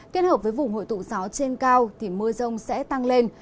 kết hợp với vùng hội tụ gió trên cao thì mưa rông sẽ tăng lên